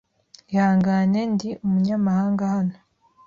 Ihangane, Ndi umunyamahanga hano.